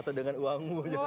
atau dengan uangmu juga